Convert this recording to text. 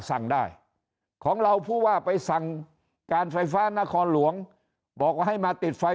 สั่งได้ของเราผู้ว่าไปสั่งการไฟฟ้านครหลวงบอกว่าให้มาติดไฟ